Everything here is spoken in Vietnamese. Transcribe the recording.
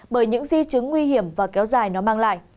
bởi những di chứng nguy hiểm và kéo dài nó mang lại